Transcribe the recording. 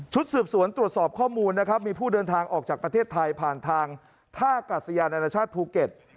สืบสวนตรวจสอบข้อมูลนะครับมีผู้เดินทางออกจากประเทศไทยผ่านทางท่ากัศยานานาชาติภูเก็ต